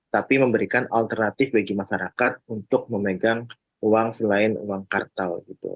tapi memberikan alternatif bagi masyarakat untuk memegang uang selain uang kartal